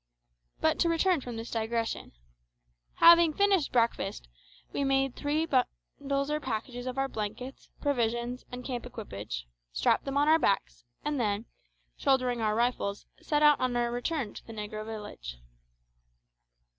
But to return from this digression. Having finished breakfast, we made three bundles or packages of our blankets, provisions, and camp equipage; strapped them on our backs; and then, shouldering our rifles, set out on our return to the negro village.